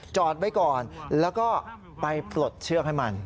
จอดไว้ก่อนแล้วก็ไปปลดเชือกให้มัน